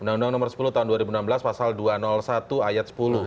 undang undang nomor sepuluh tahun dua ribu enam belas pasal dua ratus satu ayat sepuluh